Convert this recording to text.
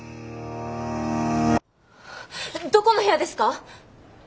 どこの部屋ですか？